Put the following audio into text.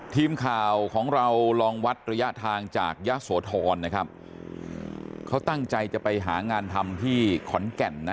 ทีมข่าวของเราลองวัดระยะทางจากยะโสธรนะครับเขาตั้งใจจะไปหางานทำที่ขอนแก่นนะ